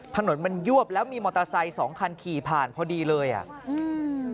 ถนนมันยวบแล้วมีมอเตอร์ไซค์สองคันขี่ผ่านพอดีเลยอ่ะอืม